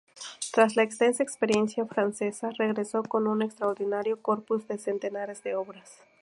Tras la extensa experiencia francesa, regresó con un extraordinario corpus de centenares de obras.